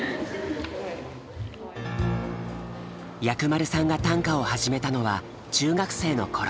藥丸さんが短歌を始めたのは中学生の頃。